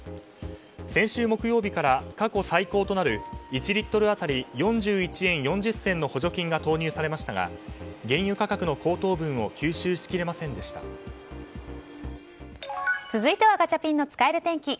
先週木曜日から過去最高となる１リットル当たり４１円４０銭の補助金が投入されましたが原油価格の高騰分を続いてはガチャピンの使える天気。